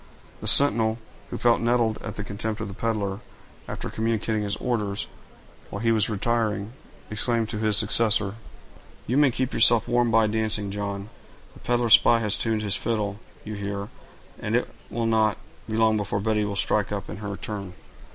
The sentinel, who felt nettled at the contempt of the peddler, after communicating his orders, while he was retiring, exclaimed to his successor,— "You may keep yourself warm by dancing, John; the peddler spy has tuned his fiddle, you hear, and it will not be long before Betty will strike up, in her turn."